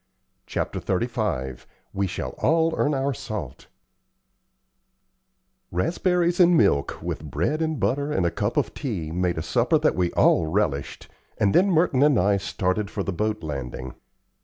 Chapter XXXV "WE SHALL ALL EARN OUR SALT" Raspberries and milk, with bread and butter and a cup of tea, made a supper that we all relished, and then Merton and I started for the boat landing.